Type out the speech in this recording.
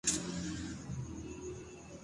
والد کا انتقال ہو گیا تو میں نے فیصلہ کیا